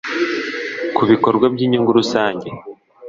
Ku bikorwa by inyungu rusange